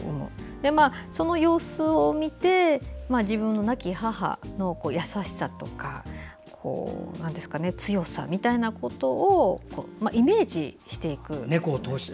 その様子を見て自分の亡き母の優しさとか強さみたいなことをイメージしていく。